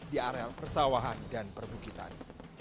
di areal persawahan dan perbukitan